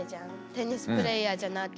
テニスプレーヤーじゃなきゃ。